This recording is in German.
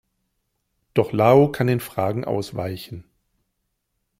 Doch Lao kann den Fragen ausweichen.